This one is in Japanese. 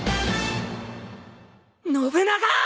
信長！